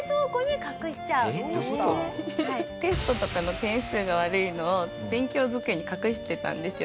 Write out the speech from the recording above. テストとかの点数が悪いのを勉強机に隠してたんですよ